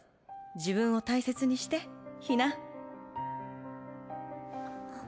自分を大切にしてひな。